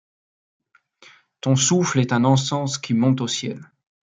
Ton souffle est un encens qui monte au ciel.